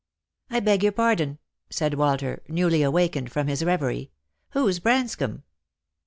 " I beg your pardon," said Walter, newly awakened from his reverie. " Who's Branscomb ?